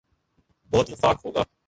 بہت نفاق ہو گا۔